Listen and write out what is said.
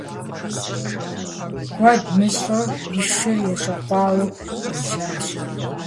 Куэд мыщӏэу и шыр ещӏэкъуауэу хуежьащ.